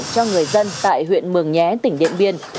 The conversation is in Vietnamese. cho người dân tại huyện mường nhé tỉnh điện biên